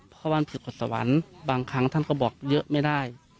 เพราะว่ามันผิดกฎสวรรค์บางครั้งท่านก็บอกเยอะไม่ได้